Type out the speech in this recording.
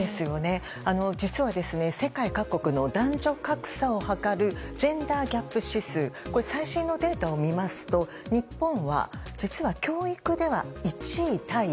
実は世界各国の男女格差を測るジェンダー・ギャップ指数最新のデータを見ますと日本は実は教育では１位タイ。